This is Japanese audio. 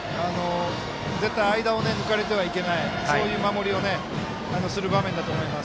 絶対、間を抜かれてはいけないそういう守りをする場面だと思います。